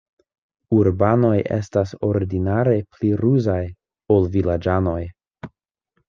Urbanoj estas ordinare pli ruzaj, ol vilaĝanoj.